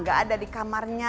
gak ada di kamarnya